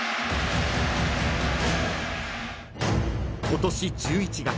［今年１１月］